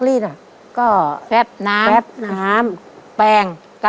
ครอบครัวของแม่ปุ้ยจังหวัดสะแก้วนะครับ